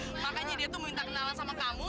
makanya dia tuh minta kenalan sama kamu